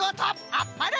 あっぱれ！